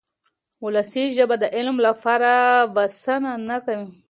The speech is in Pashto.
ولسي ژبه د علم لپاره بسنه نه کوي.